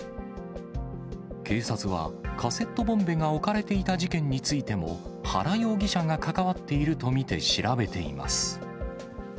警察はカセットボンベが置かれていた事件についても、原容疑者が関わっていると見て調べています。